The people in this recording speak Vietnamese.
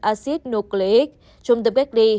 acid nucleic chung tập gác đi